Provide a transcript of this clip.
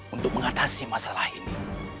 untuk mengatasi masalah ini